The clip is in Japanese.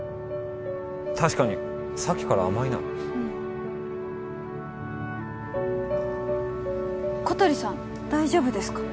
確かにさっきから甘いなうん小鳥さん大丈夫ですか？